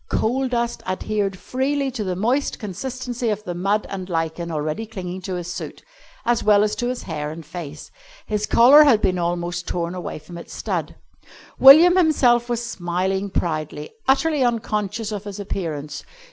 Coal dust adhered freely to the moist consistency of the mud and lichen already clinging to his suit, as well as to his hair and face. His collar had been almost torn away from its stud. William himself was smiling proudly, utterly unconscious of his appearance.